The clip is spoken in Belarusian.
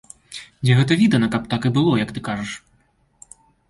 Дзе гэта відана, каб так і было, як ты кажаш?!